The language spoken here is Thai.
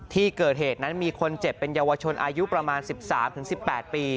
ที่เกิดเหตุนั้นมีคนเจ็บเป็นเยาวชนอายุประมาณ๑๓๑๘ปี